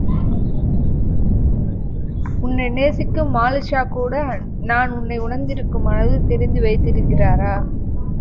உன்னை நேசிக்கும் மாலிக்ஷா கூட நான் உன்னை உணர்ந்திருக்கும் அளவு தெரிந்து வைத்திருக்கிறாரா?